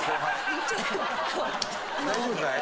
大丈夫かい？